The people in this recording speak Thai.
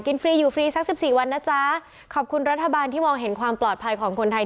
ฟรีอยู่ฟรีสักสิบสี่วันนะจ๊ะขอบคุณรัฐบาลที่มองเห็นความปลอดภัยของคนไทย